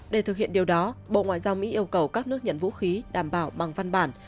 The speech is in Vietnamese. để thực hiện điều đó bộ ngoại giao mỹ yêu cầu các nước nhận vũ khí đảm bảo bằng văn bản